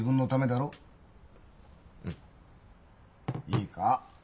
いいか？